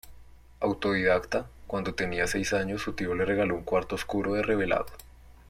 Autodidacta, cuando tenía seis años su tío le regaló un cuarto oscuro de revelado.